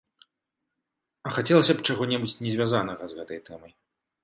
А хацелася б чаго-небудзь не звязанага з гэтай тэмай.